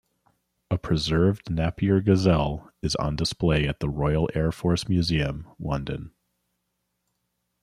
A preserved Napier Gazelle is on display at the Royal Air Force Museum London.